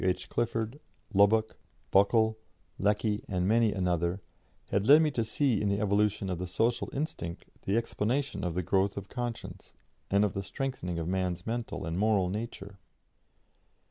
H. Clifford, Lubbock, Buckle, Lecky, and many another, had led me to see in the evolution of the social instinct the explanation of the growth of conscience and of the strengthening of man's mental and moral nature.